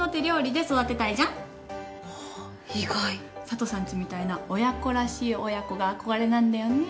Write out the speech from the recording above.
佐都さんちみたいな親子らしい親子が憧れなんだよね。